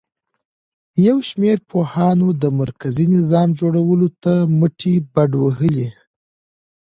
یو شمېر پاچاهانو د مرکزي نظام جوړولو ته مټې بډ وهلې